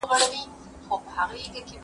په لمریز کال ایله تاوده شي، زما ساړه هډونه